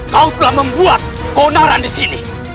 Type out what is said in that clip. kau telah membuat onaran di sini